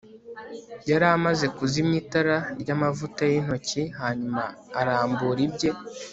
yari amaze kuzimya itara ryamavuta yintoki hanyuma arambura ibye